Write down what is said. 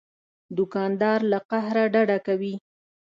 دوکاندار له قهره ډډه کوي.